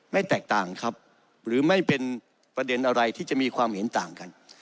แตกต่างครับหรือไม่เป็นประเด็นอะไรที่จะมีความเห็นต่างกัน